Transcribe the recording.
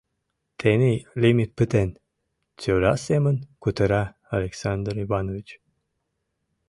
Тений лимит пытен, — тӧра семын кутыра Александр Иванович.